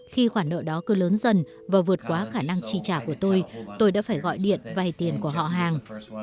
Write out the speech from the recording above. khi khoản nợ đó cứ lớn dần và vượt quá khả năng chi trả của tôi tôi đã phải gọi điện vay tiền của họ hàng